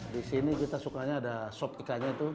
di sini kita sukanya ada sop ikannya itu